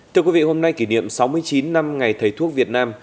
thưa quý vị hôm nay kỷ niệm sáu mươi chín năm ngày thầy thuốc việt nam